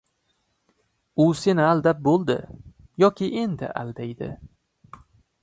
u seni aldab bo‘ldi yoki endi aldaydi.